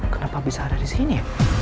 kenapa bisa ada disini